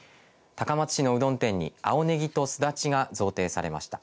高松市のうどん店に青ねぎとすだちが贈呈されました。